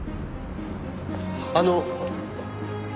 あの。